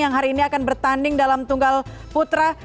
yang hari ini akan bertanding dalam tunggal putra